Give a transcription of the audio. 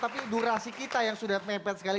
tapi durasi kita yang sudah mepet sekali